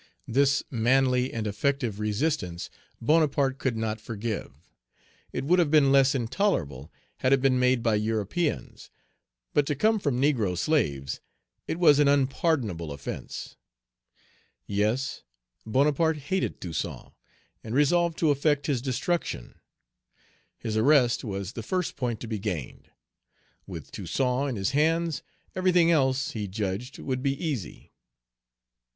This manly and effective resistance Bonaparte could not forgive. It would have been less intolerable, had it been made by Europeans; but to come from negro slaves it was an unpardonable offence. Yes, Bonaparte hated Toussaint, Page 227 and resolved to effect his destruction. His arrest was the first point to be gained. With Toussaint in his hands, everything else he judged would be easy.